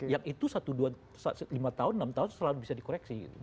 yang itu lima tahun enam tahun selalu bisa dikoreksi